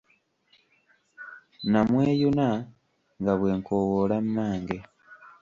Namweyuna nga bwe nkoowoola mmange.